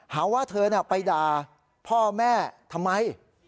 หาว่าเธอไปด่าพ่อแม่ทำไม